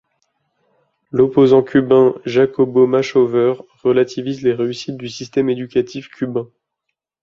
L’opposant cubain Jacobo Machover relativise les réussites du système éducatif cubain.